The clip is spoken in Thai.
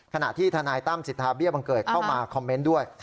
ขณะที่ทนายตั้มสิทธาเบี้ยบังเกิดเข้ามาคอมเมนต์ด้วย